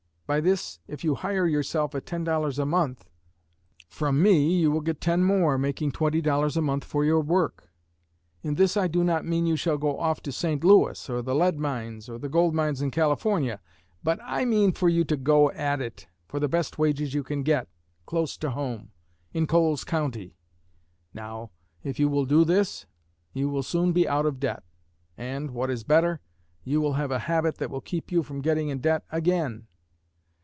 By this, if you hire yourself at ten dollars a month, from me you will get ten more, making twenty dollars a month for your work. In this I do not mean you shall go off to St. Louis, or the lead mines, or the gold mines in California; but I mean for you to go at it, for the best wages you can get, close to home, in Coles County. Now, if you will do this you will soon be out of debt, and, what is better, you will have a habit that will keep you from getting in debt again.